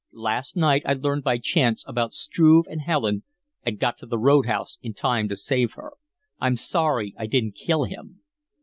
Last night I learned by chance about Struve and Helen and got to the road house in time to save her. I'm sorry I didn't kill him."